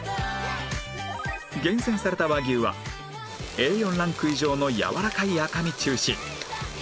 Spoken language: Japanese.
厳選された和牛は Ａ４ ランク以上のやわらかい赤身中心